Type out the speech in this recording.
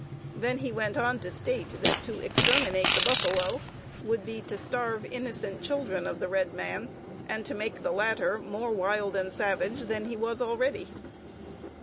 Then he went on to state that to exterminate the buffalo would be to starve innocent children of the red man, and to make the latter more wild and savage than he was already.